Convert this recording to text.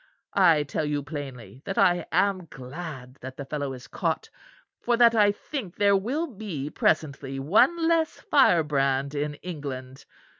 I tell you plainly that I am glad that the fellow is caught, for that I think there will be presently one less fire brand in England.